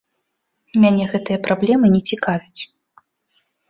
Мяне гэтыя праблемы не цікавяць.